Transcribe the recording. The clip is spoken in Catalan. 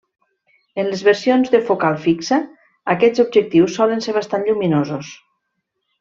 En les versions de focal fixa, aquests objectius solen ser bastant lluminosos.